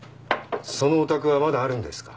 そのお宅はまだあるんですか？